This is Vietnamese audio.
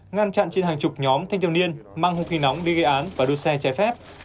ngăn chặn trên hàng chục nhóm thanh tiêu niên mang hụt hình nóng đi gây án và đua xe trái phép